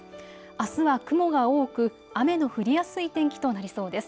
あすは雲が多く雨の降りやすい天気となりそうです。